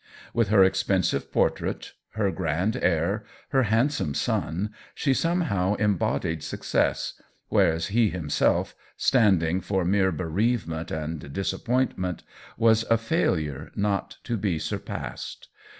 With her expensive portrait, her grand air, her handsome son, she somehow em bodied success, whereas he himself, standing for mere bereavement and disappointment, was a failure not to be surpassed.